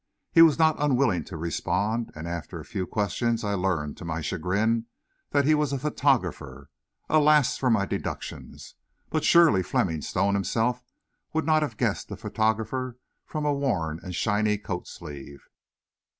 He was not unwilling to respond, and after a few questions I learned, to my chagrin, that he was a photographer. Alas for my deductions! But surely, Fleming Stone himself would not have guessed a photographer from a worn and shiny coat sleeve.